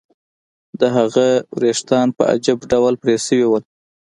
د هغه ویښتان په عجیب ډول پرې شوي وو